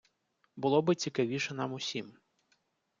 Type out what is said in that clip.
Було би цікавіше нам усім.